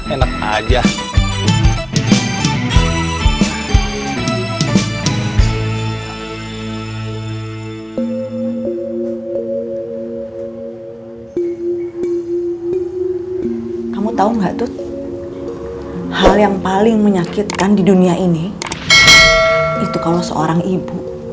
enak aja kamu tahu enggak tuh hal yang paling menyakitkan di dunia ini itu kalau seorang ibu